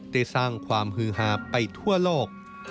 ได้สร้างความฮือฮาไปทั่วโลก